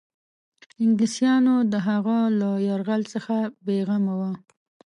انګلیسیانو د هغه له یرغل څخه بېغمه وه.